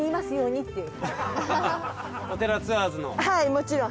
もちろん。